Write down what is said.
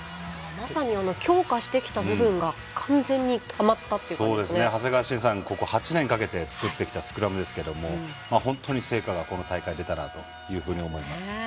まさに強化してきたところが完全に長谷川慎さんがここ８年かけて作ってきたスクラムですけど本当に成果がこの大会出たなと思います。